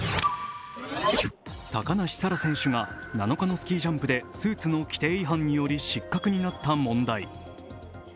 高梨沙羅選手が７日のスキージャンプでスーツの規定違反により失格になった問題。